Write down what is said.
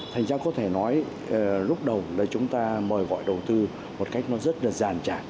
thành ra có thể nói lúc đầu chúng ta mời gọi đầu tư một cách rất là giàn trải